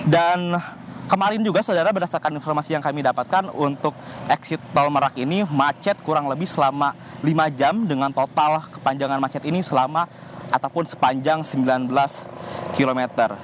dan kemarin juga saudara berdasarkan informasi yang kami dapatkan untuk exit tol merak ini macet kurang lebih selama lima jam dengan total kepanjangan macet ini selama ataupun sepanjang sembilan belas kilometer